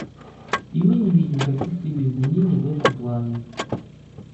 И мы не видим каких-либо изменений в этом плане.